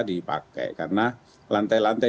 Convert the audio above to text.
dipakai karena lantai lantai